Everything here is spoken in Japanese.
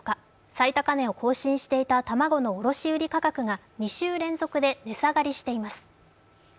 最高値を更新していた卵の卸売価格が２週連続で値下がりしています。